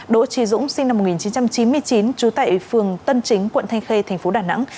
đỗ trì dũng sinh năm một nghìn chín trăm chín mươi chín trú tại phường tân chính quận thanh khê tp đà nẵng